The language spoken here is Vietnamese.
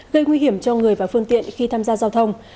gây nguy hiểm cho người và phương tiện khi tham gia giao thông